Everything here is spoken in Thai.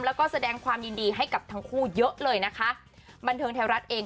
แล้วก็แสดงความยินดีให้กับทั้งคู่เยอะเลยนะคะบันเทิงไทยรัฐเอง